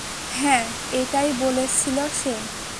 হ্যাঁ, এটাই বলেছিল সে।